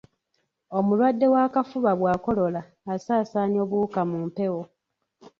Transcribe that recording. Omulwadde w’akafuba bw’akolola, asaasaanya obuwuka mu mpewo.